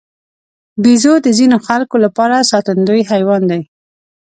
بیزو د ځینو خلکو لپاره ساتندوی حیوان دی.